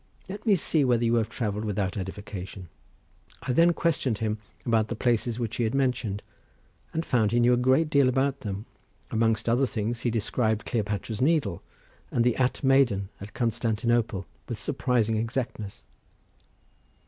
Let me see whether you have travelled without edification." I then questioned him about the places which he had mentioned, and found he knew a great deal about them, amongst other things he described Cleopatra's needle, and the At Maidan at Constantinople with surprising exactness.